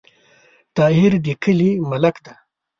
طاهر د کلې ملک ده